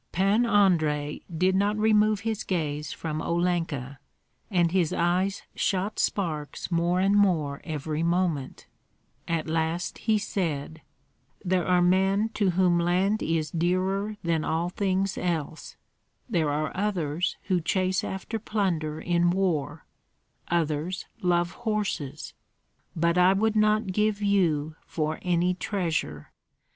Pan Andrei did not remove his gaze from Olenka, and his eyes shot sparks more and more every moment; at last he said, "There are men to whom land is dearer than all things else; there are others who chase after plunder in war, others love horses; but I would not give you for any treasure.